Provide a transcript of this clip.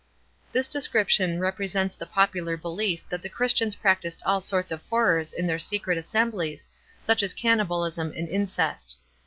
This description represents the popular belief that the Christians practised nil sorts of horrors in their secret assemblies, such as cannibalism and incest.